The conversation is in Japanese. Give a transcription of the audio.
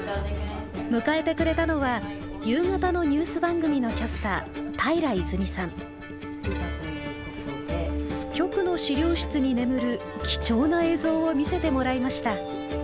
迎えてくれたのは夕方のニュース番組のキャスター局の資料室に眠る貴重な映像を見せてもらいました。